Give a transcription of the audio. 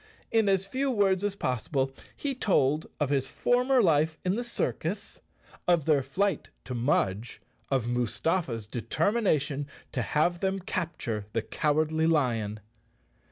In as few words as possible he told of his former life in the circus, of their flight to Mudge, of Mustafa's de¬ termination to have them capture the Cowardly Lion.